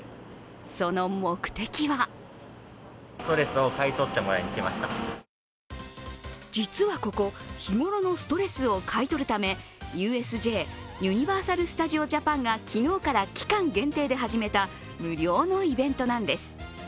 その目的は実はここね日頃のストレスを買い取るためＵＳＪ＝ユニバーサル・スタジオ・ジャパンが昨日から期間限定で始めた無料のイベントなんです。